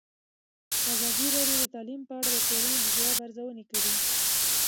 ازادي راډیو د تعلیم په اړه د ټولنې د ځواب ارزونه کړې.